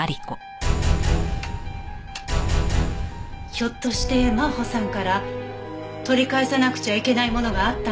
ひょっとして真帆さんから取り返さなくちゃいけないものがあったんじゃないんですか？